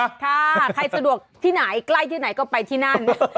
ค่ะใครสะดวกที่ไหนใกล้ที่ไหนก็ไปที่นั่น